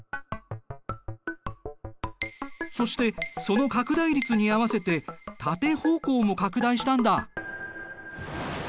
そしてその拡大率に合わせて縦方向も拡大したんだ。